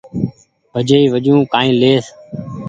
ڀجئي وجون ڪآئي ليئس